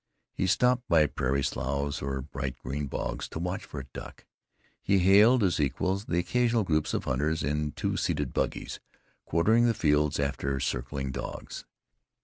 He stopped by prairie sloughs or bright green bogs to watch for a duck. He hailed as equals the occasional groups of hunters in two seated buggies, quartering the fields after circling dogs.